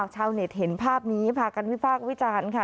ชาวเน็ตเห็นภาพนี้พากันวิพากษ์วิจารณ์ค่ะ